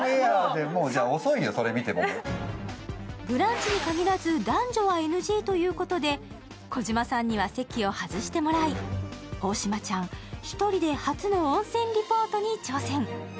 「ブランチ」に限らず男女はＮＧということで児嶋さんには席を外してもらい、大島ちゃん、１人で初の温泉リポートに挑戦。